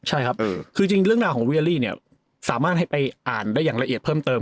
ใช่ครับคือจริงเรื่องราวของเรียลี่เนี่ยสามารถให้ไปอ่านได้อย่างละเอียดเพิ่มเติม